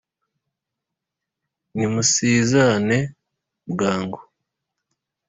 nimusizane bwangu